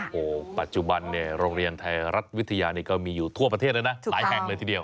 โอ้โหปัจจุบันเนี่ยโรงเรียนไทยรัฐวิทยานี่ก็มีอยู่ทั่วประเทศเลยนะหลายแห่งเลยทีเดียว